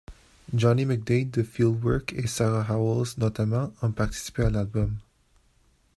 Johnny McDaid de Fieldwork, et Sarah Howells notamment, ont participé à l'album.